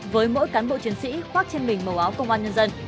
với mỗi cán bộ chiến sĩ khoác trên mình màu áo công an nhân dân